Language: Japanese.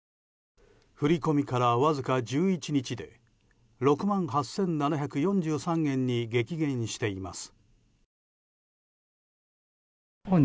振り込みからわずか１１日で６万８７４３円に激減しています。